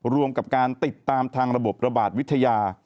รวมกับการติดตามทางระบบระบาดวิทยา